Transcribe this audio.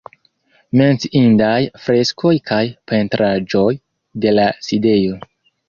Menciindaj freskoj kaj pentraĵoj de la sidejo.